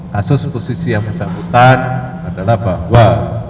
kasus posisi yang bersangkutan adalah bahwa